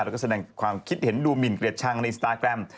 แล้วก็แสดงความคิดเห็นดูหมินเกลียดชังในสตาแกรม